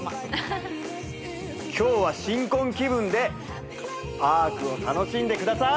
今日は新婚気分でパークを楽しんでください